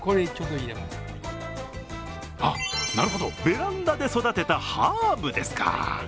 あっ、なるほど、ベランダで育てたハーブですか。